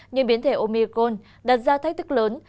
nhưng biến thể omicron đặt ra thách thức lớn